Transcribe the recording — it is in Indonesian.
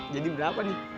jadi berapa nih